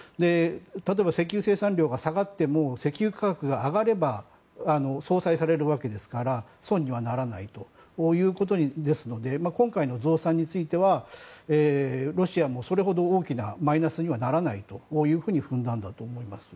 例えば、石油生産量が下がっても石油価格が上がれば相殺されるわけですから損にはならないということですので今回の増産についてはロシアもそれほど大きなマイナスにはならないと踏んだんだと思います。